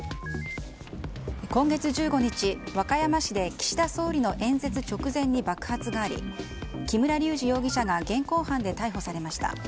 今月１５日、和歌山市で岸田総理の演説直前に爆発があり木村隆二容疑者が現行犯で逮捕されました。